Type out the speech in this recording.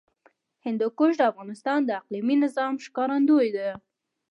هندوکش د افغانستان د اقلیمي نظام ښکارندوی ده.